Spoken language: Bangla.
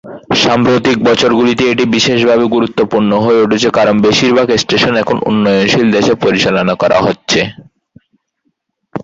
সাম্প্রতিক বছরগুলিতে এটি বিশেষভাবে গুরুত্বপূর্ণ হয়ে উঠেছে কারণ বেশিরভাগ স্টেশন এখন উন্নয়নশীল দেশ এ পরিচালনা করা হচ্ছে।